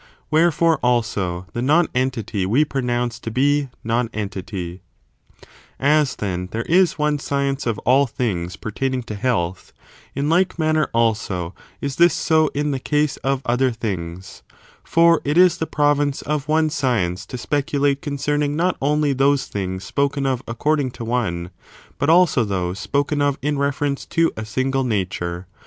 Wherefore, also, the non entity we pronounce to be non entity. 2. Metaphysics ^'.*^®^> there is One science of all things one general pertaining to health, in like manner, also, is science. ^j^jg ^^^^ ^^ie case of other things. For it is the province of one science to speculate concerning not only those things spoken of according to one, but also those spoken of in reference to a single nature.